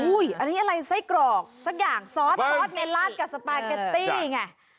อันนี้อะไรไส้กรอกสักอย่างซอสซอสในลาดกับสปาเกตตี้ไง